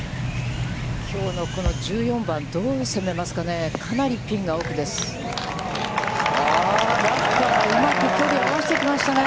きょうのこの１４番、どう攻めますかね。